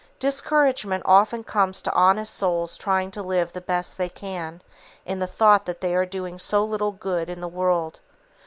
Discouragement often comes to honest souls trying to live the best they can, in the thought that they are doing so little good in the world.